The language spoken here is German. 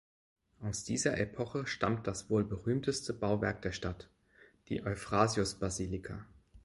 Aus dieser Epoche stammt das wohl berühmteste Bauwerk der Stadt, die Euphrasius-Basilika.